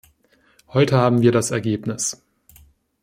Heute haben wir das Ergebnis.